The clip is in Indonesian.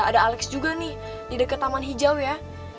ada alex juga nih di dekat taman hijau ya